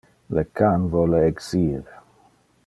Le can vole exir.